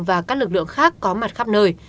và các lực lượng khác có mặt khắp nơi